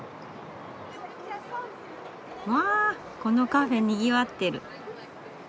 わあこのカフェにぎわってる。